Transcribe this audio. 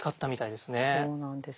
そうなんです。